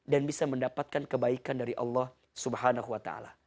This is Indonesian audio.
dan bisa mendapatkan kebaikan dari allah swt